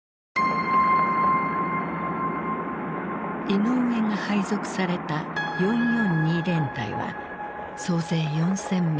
イノウエが配属された４４２連隊は総勢４，０００名。